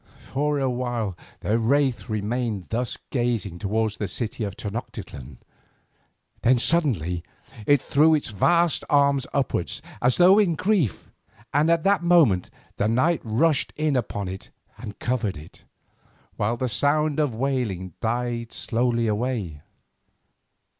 For a while the wraith remained thus gazing towards the city of Tenoctitlan, then suddenly it threw its vast arms upward as though in grief, and at that moment the night rushed in upon it and covered it, while the sound of wailing died slowly away.